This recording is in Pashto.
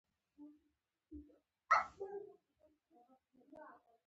د دې نېټو تحلیل د پاچاهانو نوملړ په بشپړولو کې مرسته کوي